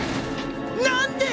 何で？